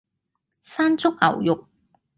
山竹牛肉